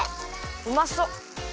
うまそっ！